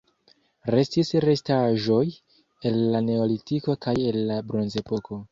Restis restaĵoj el la neolitiko kaj el la bronzepoko.